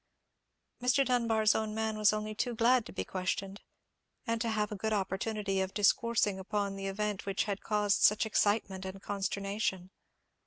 Mr. Dunbar's own man was only too glad to be questioned, and to have a good opportunity of discoursing upon the event which had caused such excitement and consternation.